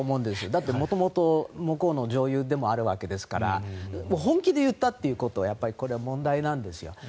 だって元々向こうの女優でもあるわけですから本気で言ったということがこれは問題なんですよ。